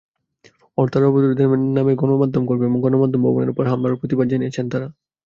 হরতাল-অবরোধের নামে গণমাধ্যমকর্মী এবং গণমাধ্যম ভবনের ওপর হামলারও প্রতিবাদ জানিয়েছেন তাঁরা।